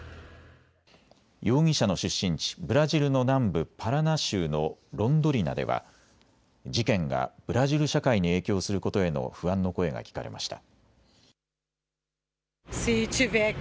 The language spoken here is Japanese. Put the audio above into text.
容疑者の出身地、ブラジルの南部パラナ州のロンドリナでは事件がブラジル社会に影響することへの不安の声が聞かれました。